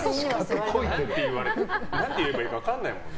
何て言えばいいか分かんないもんな。